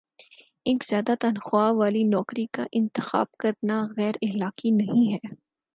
ایک زیادہ تنخواہ والی نوکری کا انتخاب کرنا غیراخلاقی نہیں ہے